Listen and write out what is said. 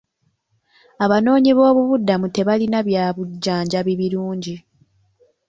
Abanoonyiboobubudamu tebalina bya bujjanjabi birungi.